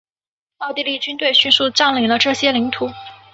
奥地利军队迅速占领了这些领土。